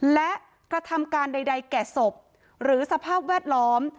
และกระทำการใดแก่ศพหรือสภาพแวดล้อม